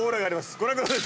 ご覧ください。